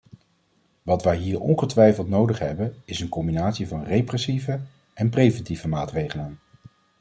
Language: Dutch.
Wat wij hier ongetwijfeld nodig hebben is een combinatie van repressieve en preventieve maatregelen.